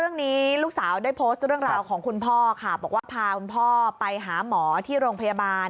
เรื่องนี้ลูกสาวได้โพสต์เรื่องราวของคุณพ่อค่ะบอกว่าพาคุณพ่อไปหาหมอที่โรงพยาบาล